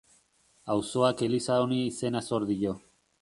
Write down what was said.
Auzoak eliza honi izena zor dio.